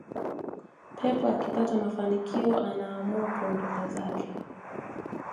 pep akipata mafanikio anaamua kuondoka zake